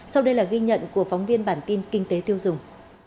sau đây là ghi nhận của phóng viên bản tin kinh tế tiêu dùng